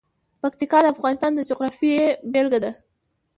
پکتیکا د افغانستان د جغرافیې بېلګه ده.